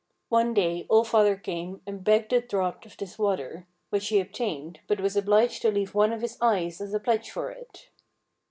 One day All father came and begged a draught of this water, which he obtained, but was obliged to leave one of his eyes as a pledge for it.